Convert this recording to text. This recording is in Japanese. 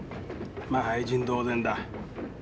まあ廃人同然だ。